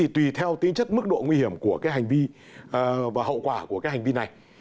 tùy theo tính chất mức độ nguy hiểm và hậu quả của hành vi này